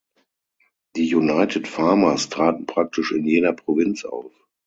Die United Farmers traten praktisch in jeder Provinz auf.